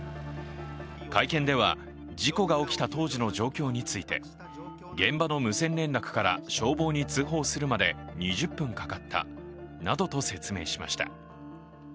会見では、事故が起きた当時の状況について現場の無線連絡から消防に通報するまで２０分かかったなどと説明しました。